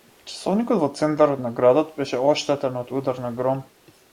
Часовникот во центарот на градот беше оштетен од удар на гром.